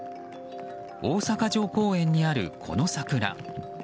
大阪城公園にある、この桜。